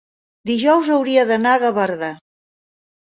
Dijous hauria d'anar a Gavarda.